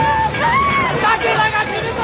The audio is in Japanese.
武田が来るぞ！